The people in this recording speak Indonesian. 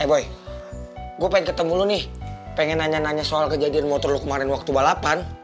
eh boy gue pengen ketemu lu nih pengen nanya nanya soal kejadian motor lo kemarin waktu balapan